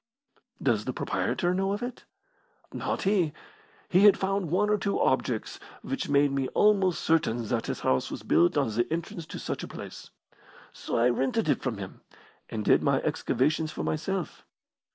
"Does the proprietor know of it?" "Not he. He had found one or two objects which made me almost certain that his house was built on the entrance to such a place. So I rented it from him, and did my excavations for myself.